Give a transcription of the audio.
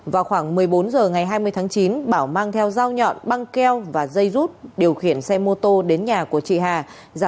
vào khoảng một mươi bốn h ngày hai mươi tháng chín bảo mang theo dao nhọn băng keo và dây rút điều khiển xe mô tô đến nhà của chị hà